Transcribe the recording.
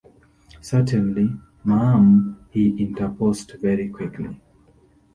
‘Certainly, ma’am,’ he interposed, very quickly.